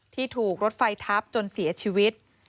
ที่ถูกรถไฟทับจนเสียชีวิต